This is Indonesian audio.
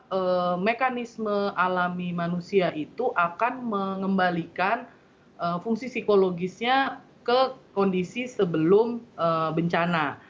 karena mekanisme alami manusia itu akan mengembalikan fungsi psikologisnya ke kondisi sebelum bencana